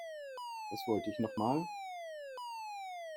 Was wollte ich noch mal?